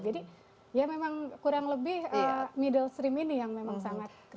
jadi ya memang kurang lebih middle stream ini yang memang sangat kritis